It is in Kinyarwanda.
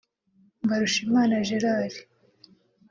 Mbarushimana Gerard